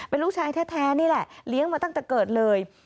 เป็นลูกชายแท้นี่แหละเลี้ยงมาตั้งแต่เกิดเลย